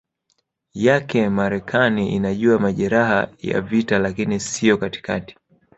yake Marekani inajua majeraha ya vita lakini sio katikati